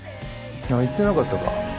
あっ言ってなかったか。